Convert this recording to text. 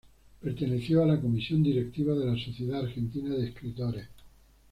Perteneció a la comisión directiva de la Sociedad Argentina de Escritores.